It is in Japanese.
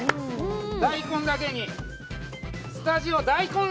大根だけにスタジオ、大混乱